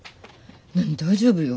何大丈夫よ。